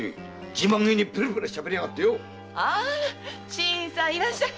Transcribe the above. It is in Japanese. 新さんいらっしゃい。